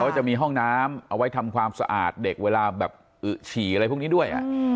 จะมีห้องน้ำเอาไว้ทำความสะอาดเด็กเวลาแบบอึฉี่อะไรพวกนี้ด้วย